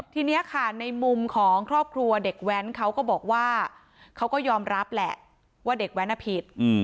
ทีนี้ค่ะในมุมของครอบครัวเด็กแว้นเขาก็บอกว่าเขาก็ยอมรับแหละว่าเด็กแว้นผิด